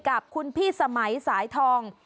กับคุณพี่สมัยสายทอง